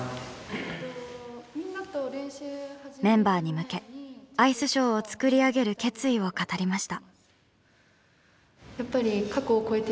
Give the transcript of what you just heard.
メンバーに向けアイスショーを作り上げる決意を語りました。